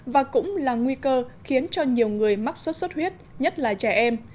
và cũng là nguy cơ khiến cho nhiều người mắc sốt xuất huyết nhất là trẻ em